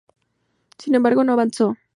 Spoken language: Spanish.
Sin embargo, no avanzó.